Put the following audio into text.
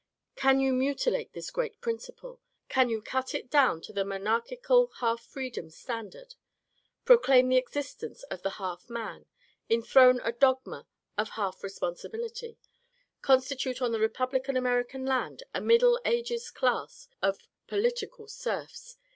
Can you mutilate this great principle ? Can you cut it down to the monarchical half freedom standard ? proclaim the existence of the half man ? enthrone a dogma of half re sponsibility ? constitute on the Republican American land a middle ages class of political serfs